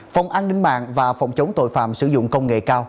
phòng an ninh mạng và phòng chống tội phạm sử dụng công nghệ cao